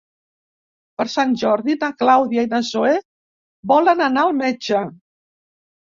Per Sant Jordi na Clàudia i na Zoè volen anar al metge.